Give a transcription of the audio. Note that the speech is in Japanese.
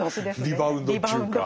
リバウンド。